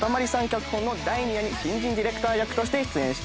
脚本の第２夜に新人ディレクター役として出演。